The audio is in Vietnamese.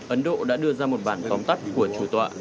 ấn độ đã đưa ra một bản tóm tắt của chủ tọa